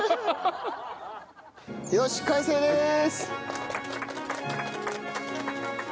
よし完成でーす！